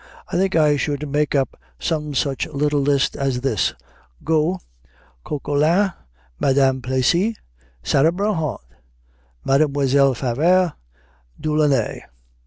I think I should make up some such little list as this: Got, Coquelin, Madame Plessy, Sarah Bernhardt, Mademoiselle Favart, Delaunay.